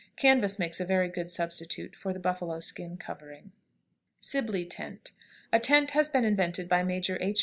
Canvas makes a very good substitute for the buffalo skin covering. SIBLEY TENT. A tent has been invented by Major H.